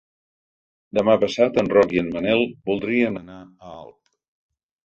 Demà passat en Roc i en Manel voldrien anar a Alp.